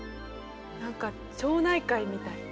何か町内会みたい。